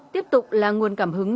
tiếp tục là nguồn cảm hứng